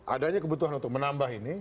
adanya kebutuhan untuk menambah ini